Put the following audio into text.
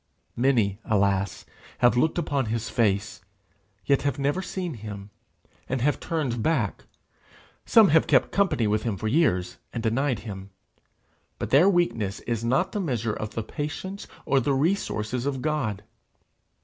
Many, alas! have looked upon his face, yet have never seen him, and have turned back; some have kept company with him for years, and denied him; but their weakness is not the measure of the patience or the resources of God.